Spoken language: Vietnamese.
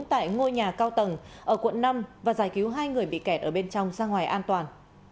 tại ngôi nhà cao tầng ở quận năm và giải cứu hai người bị kẹt ở bên trong ra ngoài an toàn